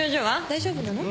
大丈夫なの？